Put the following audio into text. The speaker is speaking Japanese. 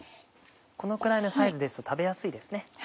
このくらいのサイズですと食べやすいですね。